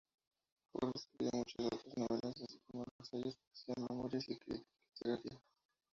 Ford escribió muchas otras novelas, así como ensayos, poesía, memorias y crítica literaria.